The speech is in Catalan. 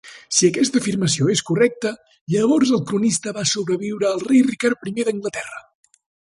Si aquesta afirmació és correcta, llavors el cronista va sobreviure al rei Ricard I d'Anglaterra.